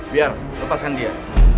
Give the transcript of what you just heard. biar lepaskan dia